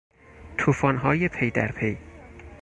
توفانهای پی در پی